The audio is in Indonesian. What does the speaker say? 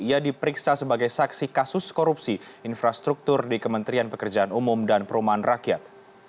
ia diperiksa sebagai saksi kasus korupsi infrastruktur di kementerian pekerjaan umum dan perumahan rakyat